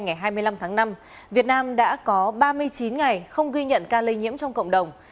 ngày hai mươi năm tháng năm việt nam đã có ba mươi chín ngày không ghi nhận ca lây nhiễm trong cộng đồng